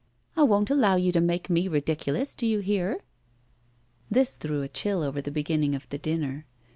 I won't allow you to make me ridiculous, do you hear?' This threw a chill over the beginning of the dinner.